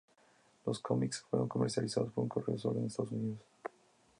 Los cómics fueron comercializados por correo sólo en Estados Unidos.